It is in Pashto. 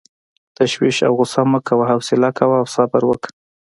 تشویش او غصه مه کوه، حوصله کوه او صبر وکړه.